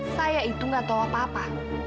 saya itu gak tahu apa apa